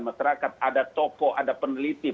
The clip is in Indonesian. masyarakat ada toko ada peneliti